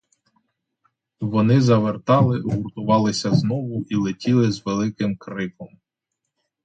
Вони завертали, гуртувалися знову і летіли з великим криком.